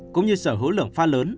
cũng như sở hữu lượng pha lớn